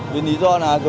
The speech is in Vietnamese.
vì lý do là